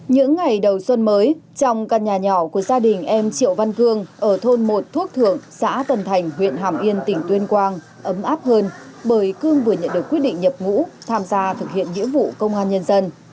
những ngày đầu xuân mới trong căn nhà nhỏ của gia đình em triệu văn cương ở thôn một thuốc thượng xã tân thành huyện hàm yên tỉnh tuyên quang ấm áp hơn bởi cương vừa nhận được quyết định nhập ngũ tham gia thực hiện nghĩa vụ công an nhân dân